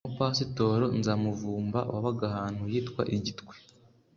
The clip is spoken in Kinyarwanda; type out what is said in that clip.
- umupasitoro nzamuvumba wabaga ahantu hitwa i gitwe